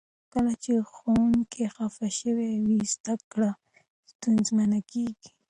کله چې ښوونکي خفه شوي وي، زده کړې ستونزمنې کیږي.